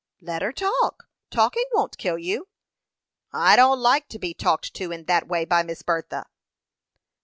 "Let her talk talking won't kill you." "I don't like to be talked to in that way by Miss Bertha."